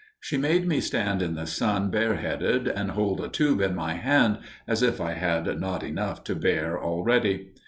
She made me stand in the sun bareheaded and hold a tube in my hand, as if I had not enough to bear, already.